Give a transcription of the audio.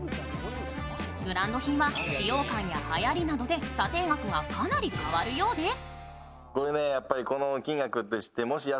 ブランド品は使用感やはやりなどで査定額がかなり変わるようです。